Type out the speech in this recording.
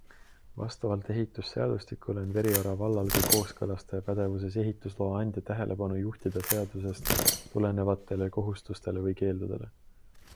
Vastavalt ehitusseadustikule on Veriora vallal kui kooskõlastaja pädevuses ehitusloa andja tähelepanu juhtida seadusest tulenevatele kohustustele või keeldudele.